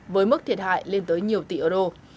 với mức thiệt hại lên tới nhiều tỷ euro